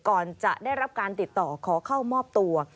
ก่อนจะได้รับการติดต่อขอเข้ามอบตัว